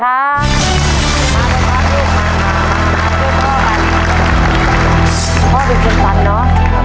เพราะฉะนั้นเชิญทั้งบ้านเลยนะครับ